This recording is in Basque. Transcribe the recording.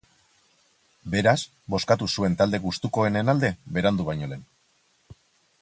Beraz, bozkatu zuen talde gustukoenen alde, berandu baino lehen.